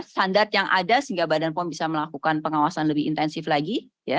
standar yang ada sehingga badan pom bisa melakukan pengawasan lebih intensif lagi